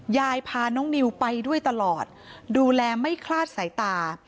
ยายพาน้องนิวไปด้วยตลอดดูแลไม่คลาดสายตา